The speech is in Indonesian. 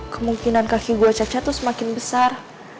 kemungkinan kaki gue cacat tuh semakin besar